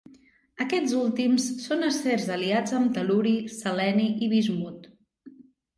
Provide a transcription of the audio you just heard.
Aquests últims són acers aliats amb tel·luri, seleni i bismut.